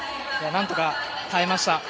なんとか耐えました。